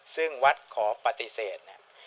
ซึ่งวัดขอปฏิเสธ